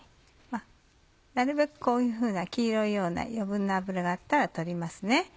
なるべくこういうふうな黄色いような余分な脂があったら取ります。